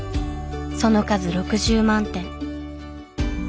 その数６０万点。